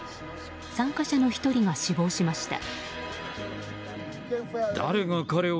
参加者の１人が死亡しました。